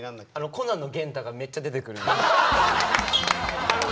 「コナン」の元太がめっちゃ出てくる。